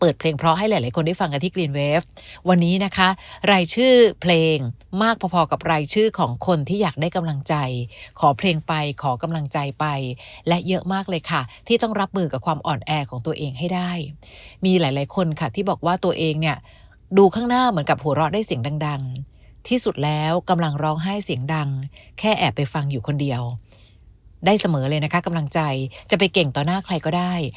ได้เสมอเลยนะคะกำลังใจจะไปเก่งต่อหน้าใครก็ได้